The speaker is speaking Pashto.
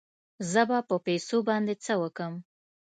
زه به په پيسو باندې څه وکم.